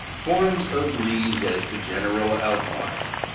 ] 134. =Forms of Leaves as to General Outline.